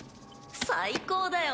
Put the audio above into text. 最高だよ。